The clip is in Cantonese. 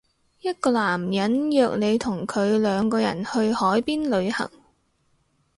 一個男人約你同佢兩個人去海邊旅行